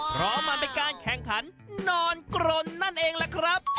เพราะมันเป็นการแข่งขันนอนกรนนั่นเองล่ะครับ